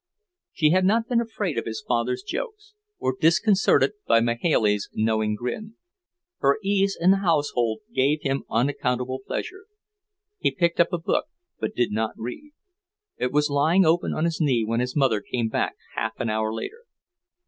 She had not been afraid of his father's jokes, or disconcerted by Mahailey's knowing grin. Her ease in the household gave him unaccountable pleasure. He picked up a book, but did not read. It was lying open on his knee when his mother came back half an hour later.